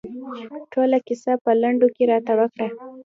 ټوله کیسه په لنډو کې راته وکړه.